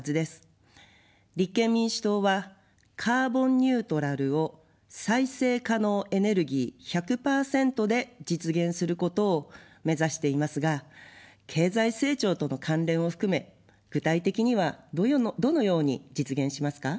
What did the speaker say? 立憲民主党はカーボンニュートラルを再生可能エネルギー１００％で実現することを目指していますが、経済成長との関連を含め具体的にはどのように実現しますか。